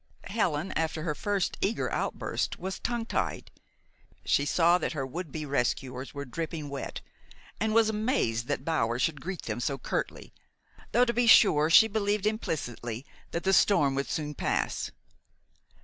Helen, after her first eager outburst, was tongue tied. She saw that her would be rescuers were dripping wet, and was amazed that Bower should greet them so curtly, though, to be sure, she believed implicitly that the storm would soon pass.